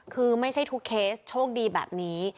คือไม่ใช่ทุกเคสโชคดีแบบนี้